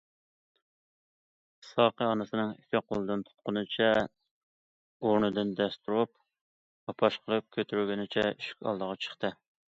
ساقى ئانىسىنىڭ ئىككى قولىدىن تۇتقىنىچە ئورنىدىن دەس تۇرۇپ، ھاپاش قىلىپ كۆتۈرگىنىچە ئىشىك ئالدىغا چىقتى.